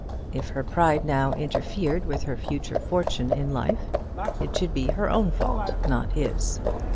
If her pride now interfered with her future fortune in life, it should be her own fault, not his.